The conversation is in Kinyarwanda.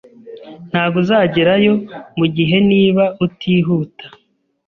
Ntabwo uzagerayo mugihe niba utihuta